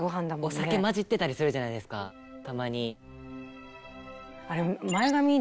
お酒混じってたりするじゃないですかたまに。